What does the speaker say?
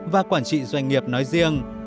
và quản trị doanh nghiệp nói riêng